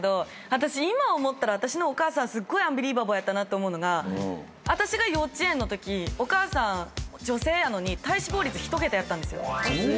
私今思ったら私のお母さんすごいアンビリバボーやったと思うのが私が幼稚園のときお母さん女性やのに体脂肪率一桁やったんですよ。